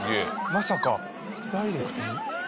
まさかダイレクトに？